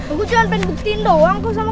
aku cuma ingin buktiin doang aku sama kamu